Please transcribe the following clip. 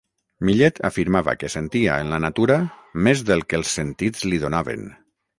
Millet afirmava que sentia en la natura més del que els sentits li donaven.